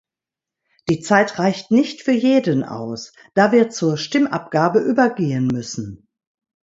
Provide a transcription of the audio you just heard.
Die Zeit reicht nicht für jeden aus, da wir zur Stimmabgabe übergehen müssen.